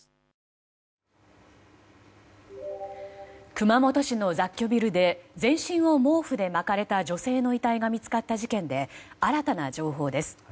熊本市の雑居ビルで全身を毛布で巻かれた女性の遺体が見つかった事件で新たな情報です。